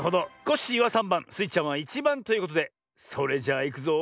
コッシーは３ばんスイちゃんは１ばんということでそれじゃあいくぞ。